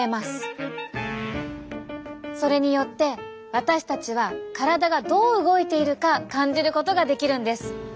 それによって私たちは体がどう動いているか感じることができるんです。